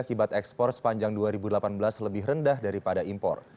akibat ekspor sepanjang dua ribu delapan belas lebih rendah daripada impor